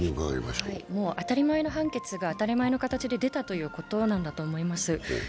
当たり前の判決が当たり前の形で出たということなんだと思います。